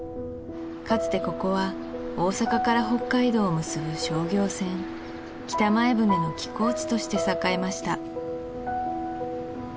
かつてここは大阪から北海道を結ぶ商業船北前船の寄港地として栄えました